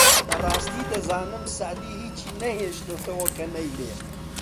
! بەڕاستی دەزانم سەعدی هیچی نەهێشتۆتەوە کە نەیڵێت